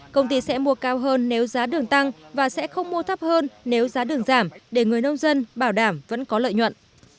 công ty sẽ mua cao hơn nếu giá đường tăng và sẽ không mua thấp hơn nếu giá đường giảm để người nông dân bảo đảm vẫn có lợi nhuận